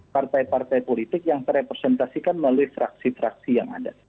partai partai politik yang terrepresentasikan melalui fraksi fraksi yang ada